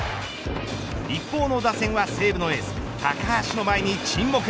一方の打線は西武のエース高橋の前に沈黙。